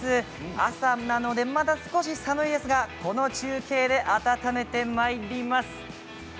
朝なのでまだ少し寒いですがこの中継で温めてまいります。